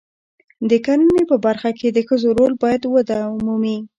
د کرنې په برخه کې د ښځو رول باید وده ومومي.